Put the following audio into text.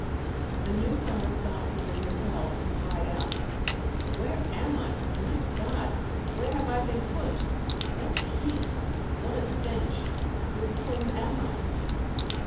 The new comer thought he was in hell, and cried out, "Where am I? My God! where have I been put? What heat! What a stench! With whom am I?"